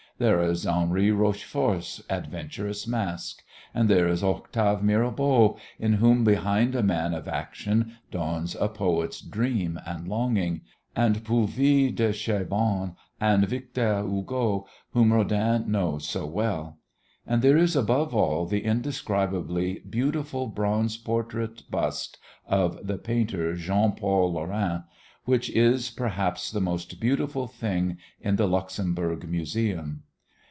There is Henry Rochefort's adventurous mask, and there is Octave Mirabeau in whom behind a man of action dawns a poet's dream and longing, and Puvis de Chavannes, and Victor Hugo whom Rodin knows so well; and there is above all the indescribably beautiful bronze portrait bust of the painter Jean Paul Laurens which is, perhaps, the most beautiful thing in the Luxembourg Museum.